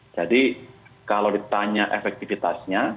jadi kalau ditanya efektifitasnya